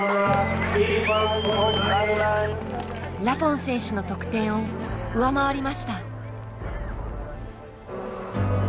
ラフォン選手の得点を上回りました。